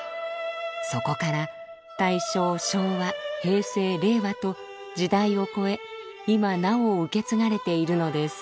そこから大正昭和平成令和と時代を超え今なお受け継がれているのです。